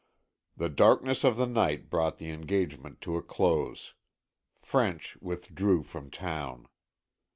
The darkness of the night brought the engagement to a close. French withdrew from town.